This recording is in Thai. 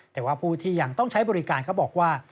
แต่ว่าผู้ที่ยังต้องใช้บริการเขาบอกว่า